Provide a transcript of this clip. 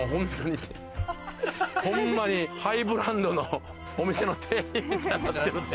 ホントにハイブランドのお店の店員みたいになってる。